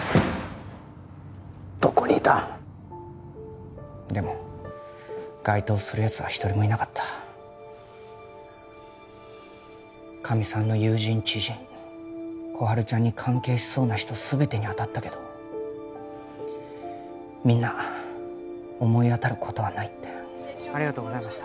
どこにいた？でも該当するやつは一人もいなかったかみさんの友人知人心春ちゃんに関係しそうな人全てにあたったけどみんな思い当たることはないってありがとうございました